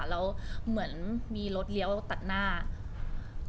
แล้วเหมือนมีรถเลี้ยวตัดหน้า